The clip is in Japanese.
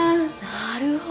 なるほど。